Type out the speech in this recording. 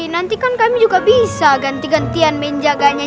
nanti kan kami juga bisa ganti gantian menjaganya